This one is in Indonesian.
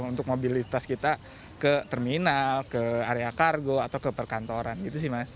untuk mobilitas kita ke terminal ke area kargo atau ke perkantoran gitu sih mas